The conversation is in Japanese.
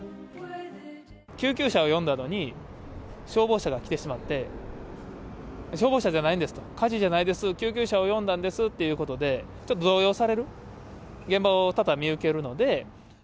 救急車を呼んだのに、消防車が来てしまって、消防車じゃないんです、火事じゃないです、救急車を呼んだんですということで、ちょっと動揺される現場を多々見受けるので。